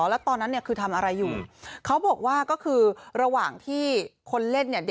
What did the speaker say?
แล้วตอนนั้นเนี่ยคือทำอะไรอยู่เขาบอกว่าก็คือระหว่างที่คนเล่นเนี่ย